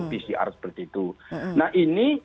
pcr seperti itu nah ini